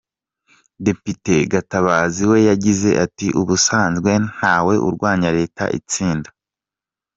Depite Gatabazi we yagize ati “Ubusanzwe nta we urwanya Leta itsinda.